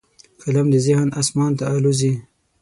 قلم د ذهن اسمان ته الوزي